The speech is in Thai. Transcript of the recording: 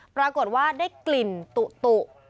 ปรากฏว่าได้กลิ่นตุ